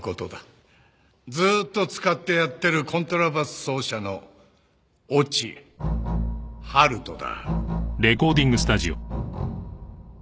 ずっと使ってやってるコントラバス奏者の越智晴人だ。